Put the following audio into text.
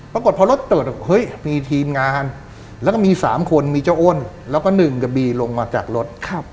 ปรากฏพอรถเปิดเฮ้ยมีทีมงานแล้วก็มี๓คนมีเจ้าอ้นแล้วก็๑กับบีลงมาจากรถ